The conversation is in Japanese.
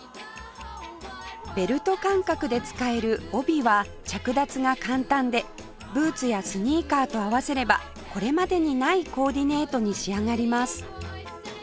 ベルト感覚で使える帯は着脱が簡単でブーツやスニーカーと合わせればこれまでにないコーディネートに仕上がります